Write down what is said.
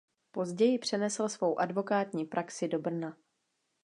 Později přenesl svou advokátní praxi do Brna.